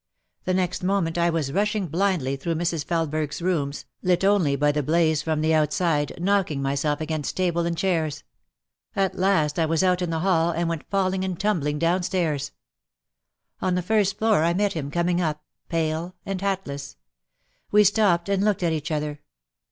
The next moment I was rushing blindly through Mrs. Felesberg's rooms, lit only by the blaze from the outside, knocking myself against table and chairs. At last I was out in the hall and went fall OUT OF THE SHADOW 103 ing and tumbling down stairs. On the first floor I met him coming up, pale and hatless. We stopped and looked at each other.